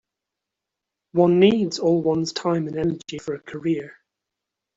One needs all one's time and energy for a career.